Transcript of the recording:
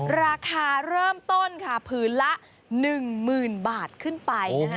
ราคาเริ่มต้นค่ะผืนละ๑๐๐๐บาทขึ้นไปนะคะ